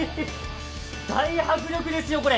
大迫力ですよ、これ。